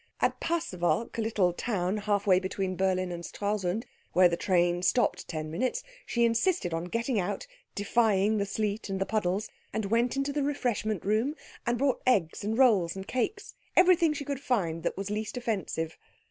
At Pasewalk, a little town half way between Berlin and Stralsund, where the train stopped ten minutes, she insisted on getting out, defying the sleet and the puddles, and went into the refreshment room, and bought eggs and rolls and cakes, everything she could find that was least offensive.